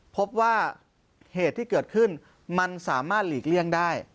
พบว่าเหตุที่เกิดขึ้นมันสามารถหลีกเลี่ยงได้